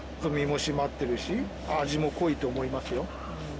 身も締まってるし味も濃いと思いますよ。